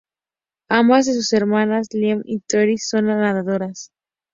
Ambas de sus hermanas, Leah y Taryn, son nadadoras.